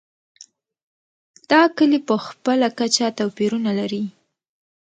دا کلي په خپله کچه توپیرونه لري.